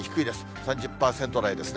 ３０％台ですね。